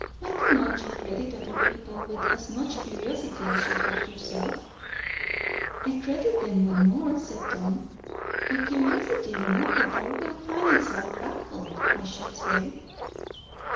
"Why cannot you credit other people with as much curiosity as you have yourself?" "I credit them with more," said Tom. "But curiosity on Appledore will find itself baffled, I should say."